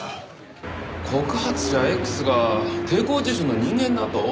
告発者Ｘが帝光地所の人間だと？